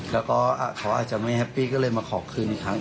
แล้วก็เขาอาจจะไม่แฮปปี้ก็เลยมาขอคืนอีกครั้ง